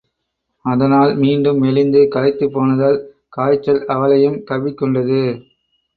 அதனால் மீண்டும் மெலிந்து களைத்துப் போனதால், காய்ச்சல் அவளையும் கவ்விக் கொண்டது.